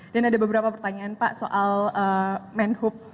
dan ada beberapa pertanyaan pak soal manhub